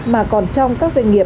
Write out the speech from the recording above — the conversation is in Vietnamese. mà còn trong các doanh nghiệp